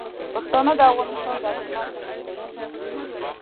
پښتانه د افغانستان د عظمت نمایندګي کوي.